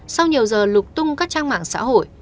sau nhiều giờ lục tung các trang mạng xã hội